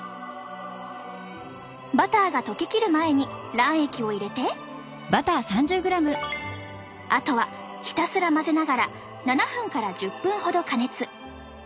バターが溶けきる前に卵液を入れてあとはひたすら混ぜながら７分から１０分ほど加熱。